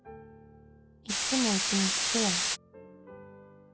いっつもうちに訊くやん。